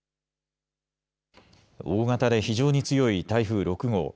大型で非常に強い台風６号。